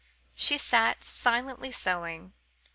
She sat silently sewing.